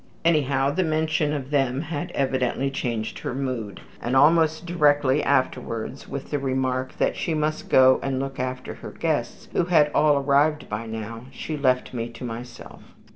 Anyhow the mention of them had evidently changed her mood, and almost directly afterwards, with the remark that she must go and look after her guests, who had all arrived by now, she left me to myself.